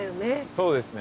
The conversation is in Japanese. そうですね。